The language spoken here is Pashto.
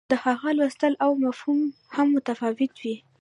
د هغه لوستل او فهم هم متفاوت وي.